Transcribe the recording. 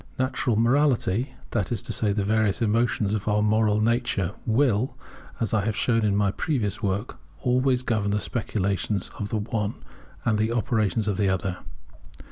Natural morality, that is to say the various emotions of our moral nature, will, as I have shown in my previous work, always govern the speculations of the one and the operations of the other.